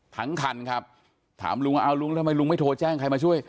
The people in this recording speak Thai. ทั้งคันครับถามลุงว่าเอาลุงทำไมลุงไม่โทรแจ้งใครมาช่วย